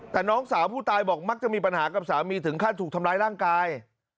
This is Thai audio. แต่น้องสาวผู้ตายบอกมักจะมีปัญหากับสามีถึงขั้นถูกทำร้ายร่างกาย